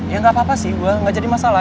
ya nggak apa apa sih nggak jadi masalah